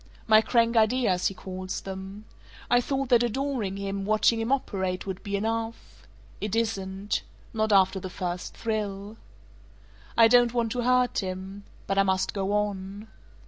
My 'crank ideas;' he calls them. I thought that adoring him, watching him operate, would be enough. It isn't. Not after the first thrill. "I don't want to hurt him. But I must go on.